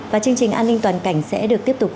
và chương trình an ninh toàn cảnh sẽ được tiếp tục